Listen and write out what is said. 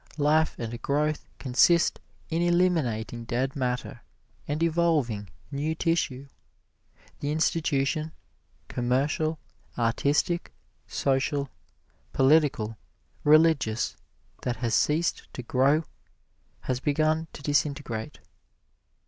Life and growth consist in eliminating dead matter and evolving new tissue. The institution, commercial, artistic, social, political, religious, that has ceased to grow has begun to disintegrate.